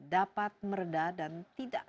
dapat meredah dan tidak